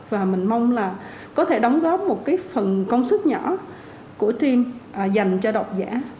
và mình mong là có thể đóng góp một cái phần công sức nhỏ của tiên dành cho độc giả